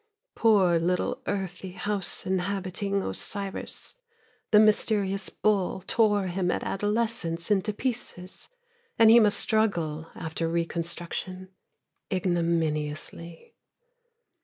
Poor little earthy house inhabiting Osiris, The mysterious bull tore him at adolescence into pieces, And he must struggle after reconstruction, ignominiously.